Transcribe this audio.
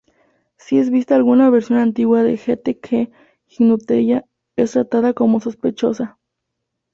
Si es vista alguna versión antigua de gtk-gnutella, es tratada como sospechosa.